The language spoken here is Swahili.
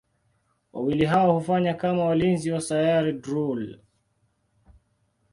Wawili hao hufanya kama walinzi wa Sayari Drool.